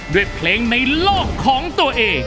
ด้วยเพลงในโลกของตัวเอง